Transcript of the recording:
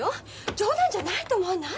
冗談じゃないと思わない！？